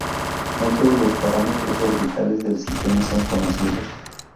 No todos los parámetros orbitales del sistema son conocidos.